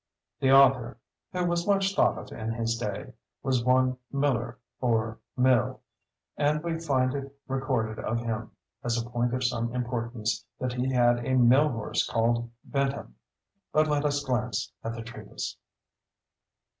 The author (who was much thought of in his day) was one Miller, or Mill; and we find it recorded of him, as a point of some importance, that he had a mill horse called Bentham. But let us glance at the treatise!